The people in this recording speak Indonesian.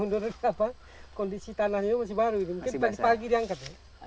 iya kondisi tanahnya masih baru mungkin pagi pagi diangkat